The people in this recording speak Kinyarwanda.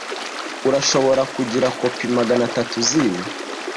Urashobora kungira kopi magana atatu zibi?